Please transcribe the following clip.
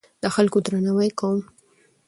د خلکو درناوی کوم.